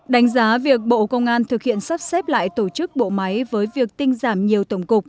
đánh giá việc bộ công an thực hiện sắp xếp lại tổ chức bộ máy với việc tinh giảm nhiều tổng cục